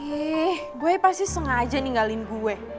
yeeh boy pasti sengaja ninggalin gue